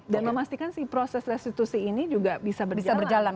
dan memastikan proses restitusi ini juga bisa berjalan